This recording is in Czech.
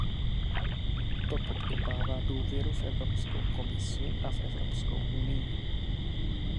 To podkopává důvěru v Evropskou komisi a v Evropskou unii.